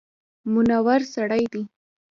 منور سړی دی.